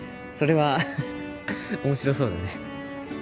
それは面白そうだね